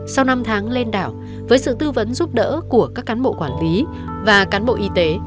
sau năm tháng lên đảo với sự tư vấn giúp đỡ của các cán bộ quản lý và cán bộ y tế